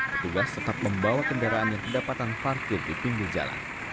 petugas tetap membawa kendaraan yang kedapatan parkir di pinggir jalan